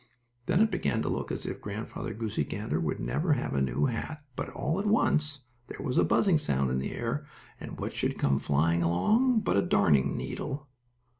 Then it began to look as if Grandfather Goosey Gander would never have a new hat, but, all at once, there was a buzzing sound in the air, and what should come flying along but a darning needle.